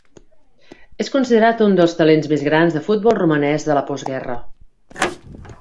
És considerat un dels talents més grans del futbol romanès de la postguerra.